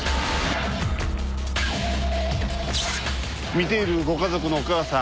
見ているご家族のお母さん。